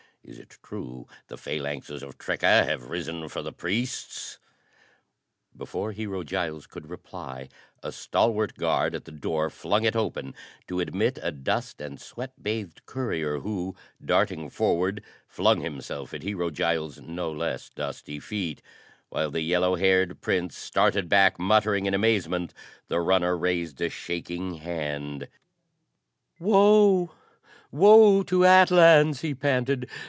Is it true the phalanxes at Tricca have risen for the priests?" [Illustration: Map of Jarmuth and Atlans] Before Hero Giles could reply, a stalwart guard at the door flung it open to admit a dust and sweat bathed courier who, darting forward, flung himself at Hero Giles' no less dusty feet. While the yellow haired Prince started back muttering in amazement, the runner raised a shaking hand. "Woe, woe to Atlans!" he panted.